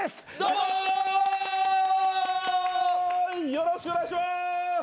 よろしくお願いします。